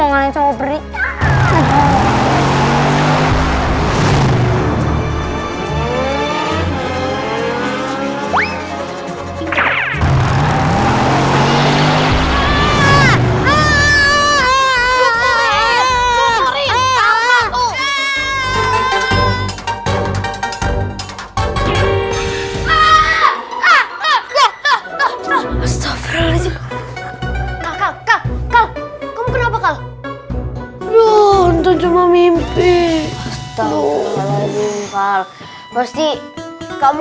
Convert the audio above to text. gila ini udah malem